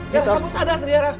tiara kamu sadar tiara